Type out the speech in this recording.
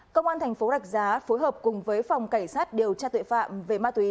công an thành phố rạch giá phối hợp cùng với phòng cảnh sát điều tra tội phạm về ma túy